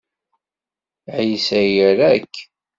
Ɛisa ira-k.